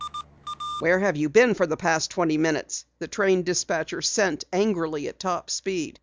"Where have you been for the past twenty minutes?" the train dispatcher sent angrily at top speed.